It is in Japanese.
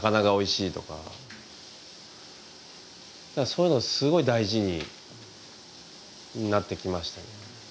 そういうのがすごい大事になってきましたね。